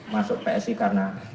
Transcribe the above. masuk psi karena